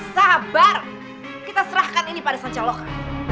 sabar kita serahkan ini pada sancalokan